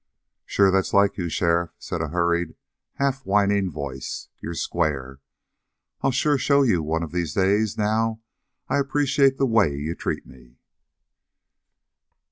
"Sure, that's like you, sheriff," said a hurried, half whining voice. "You're square. I'll sure show you one of these days now I appreciate the way you treat me!"